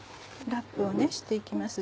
ラップをして行きます。